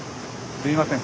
すみません。